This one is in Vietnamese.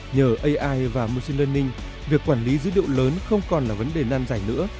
nhờ ai và machine learning việc quản lý dữ liệu lớn không còn là vấn đề năn giảnh nữa